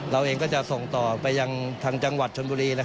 เราเองก็จะส่งต่อไปยังทางจังหวัดชนบุรี